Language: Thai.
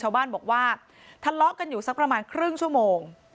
ชาวบ้านบอกว่าทะเลาะกันอยู่สักประมาณครึ่งชั่วโมง